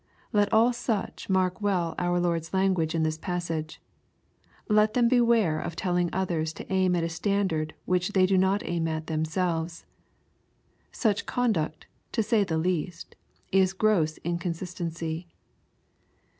Let all such mark well our Lord's language in this passage. Let them beware of telling others to aim at a standard which they do not aim at themselves. Such conduct, to say the least, is gross inconsistency.